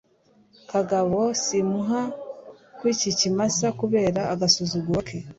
kagabo simuha ku iki kimasa kubera agasuzuguro ke